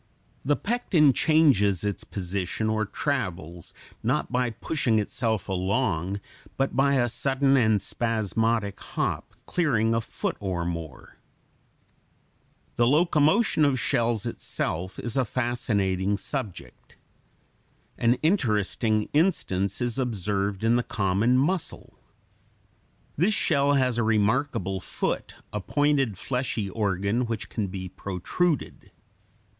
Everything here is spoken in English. The pecten changes its position or travels, not by pushing itself along, but by a sudden and spasmodic hop, clearing a foot or more. [Illustration: FIG. 87. Mussel climbing: B, cables; F, foot.] The locomotion of shells itself is a fascinating subject. An interesting instance is observed in the common mussel. This shell has a remarkable foot, a pointed, fleshy organ which can be protruded.